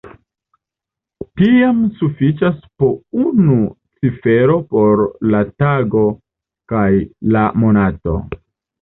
Tiam sufiĉas po unu cifero por la tago kaj la monato.